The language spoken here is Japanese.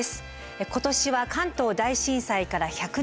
今年は関東大震災から１００年。